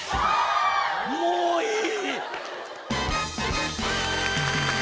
もういい。